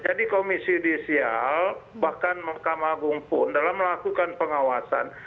jadi komisi yudisial bahkan mahkamah agung pun dalam melakukan pengawasan